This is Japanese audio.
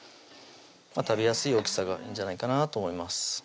食べやすい大きさがいいんじゃないかなと思います